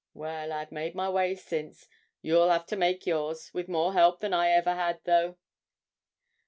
Well, I've made my way since. You'll have to make yours, with more help than I ever had, though.'